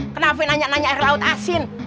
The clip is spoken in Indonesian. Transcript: kenapa nanya nanya air laut asin